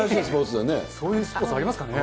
そういうスポーツありますかね。